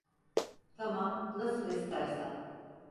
Tamam, nasıl istersen.